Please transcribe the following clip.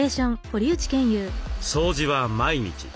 掃除は毎日。